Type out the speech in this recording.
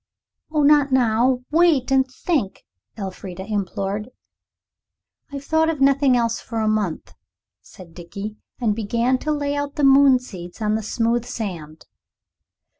"Oh, not now; wait and think," Elfrida implored. "I've thought of nothing else for a month," said Dickie, and began to lay out the moon seeds on the smooth sand.